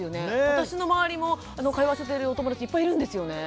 私の周りも通わせているお友達いっぱいいるんですよね。